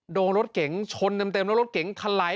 โดงรถเก่งชนเต็มแล้วรถเก่งคลัย